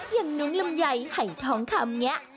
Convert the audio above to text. อย่างนุนลำนไยห่ายท้องทำเงะ